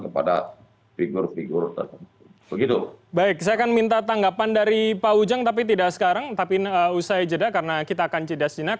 baik saya akan minta tanggapan dari pak ujang tapi tidak sekarang tapi usai jeda karena kita akan jeda sejenak